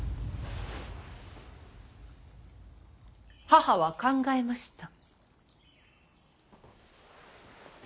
母は考えました。